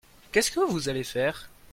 Qu'est-ce que vous allez faire ?